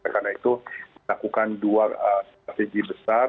karena itu kita lakukan dua strategi besar